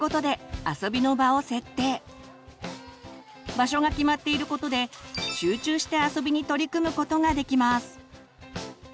場所が決まっていることで集中して遊びに取り組むことができます。